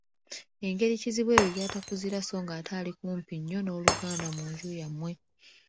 Engeri kizibwe wo gy’atakuzira so ng’ate ali kumpi nnyo n’oluganda mu nju yammwe.